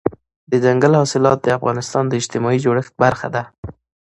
دځنګل حاصلات د افغانستان د اجتماعي جوړښت برخه ده.